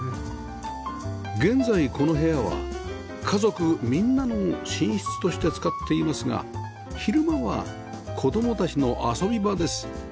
現在この部屋は家族みんなの寝室として使っていますが昼間は子供たちの遊び場です